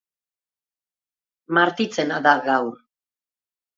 Martitzena da gaur